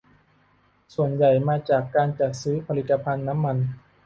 ส่วนใหญ่มาจากการจัดซื้อผลิตภัณฑ์น้ำมัน